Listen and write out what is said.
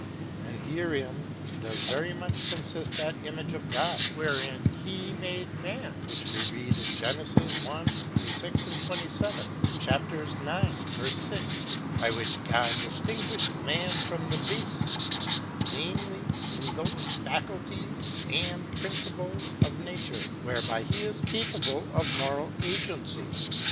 And herein does very much consist that image of God wherein he made man (which we read of, Gen. i. 26, 27, and chap. ix. 6), by which God distinguished man from the beasts, viz. in those faculties and principles of nature whereby He is capable of moral agency.